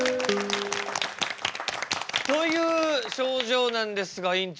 という症状なんですが院長。